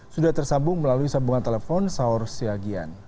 sudah tersambung melalui sambungan telepon saur siagian